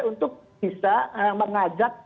untuk bisa mengajak